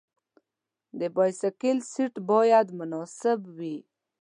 د بایسکل سیټ باید مناسب وي.